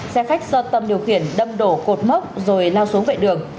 xe khách do tâm điều khiển đâm đổ cột mốc rồi lao xuống vệ đường